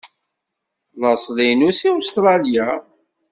Laṣel-inu seg Ustṛalya.